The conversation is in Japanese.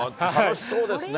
楽しそうですね。